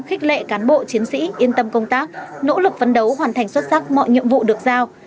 khích lệ cán bộ chiến sĩ yên tâm công tác nỗ lực phấn đấu hoàn thành xuất sắc mọi nhiệm vụ được giao